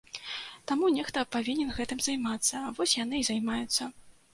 Таму нехта павінен гэтым займацца, вось яны і займаюцца.